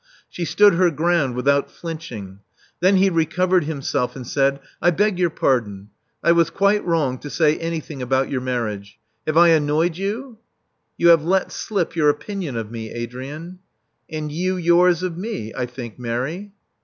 She stood her ground without flinching. Then he recovered himself, and said, '*I beg your pardon. I was quite wrong to say anything about your marriage. Have I annoyed you?" You have let slip your opinion of me, Adrian." And you yours of me, I think, Mary."